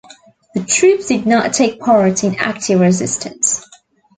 The troops did not take part in active resistance.